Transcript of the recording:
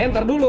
eh ntar dulu